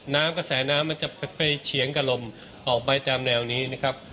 น้ำกระแสน้ำมันจะไปเฉียงกับลมออกไปตามแนวนี้นะครับ